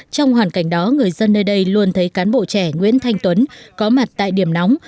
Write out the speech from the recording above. trong hoàn cảnh đó người dân nơi đây luôn thấy cán bộ trẻ nguyễn thanh tuấn có mặt tại điểm nóng